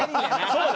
そうだ。